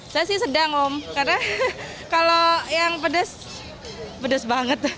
saya sih sedang om karena kalau yang pedas pedes banget